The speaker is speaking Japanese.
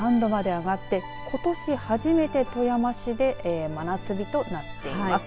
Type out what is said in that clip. ３０．３度まで上がってことし初めて富山市で真夏日となっています。